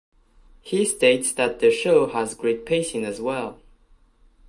He states that the show has great pacing as well.